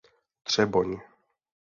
Třeboň.